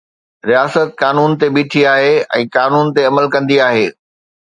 رياست قانون تي بيٺي آهي ۽ قانون تي عمل ڪندي آهي.